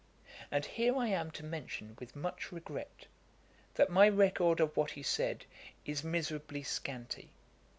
And here I am to mention with much regret, that my record of what he said is miserably scanty.